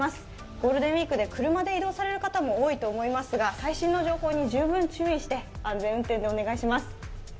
ゴールデンウイーク、車で移動される方も多いと思いますが最新の情報に十分注意して、安全運転でお願いします。